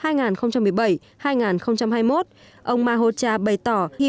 ông mahocha bày tỏ hy vọng văn kiện này sẽ được ký sách